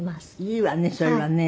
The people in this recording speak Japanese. いいわねそれはね。